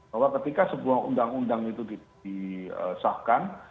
bahwa ketika sebuah undang undang itu disahkan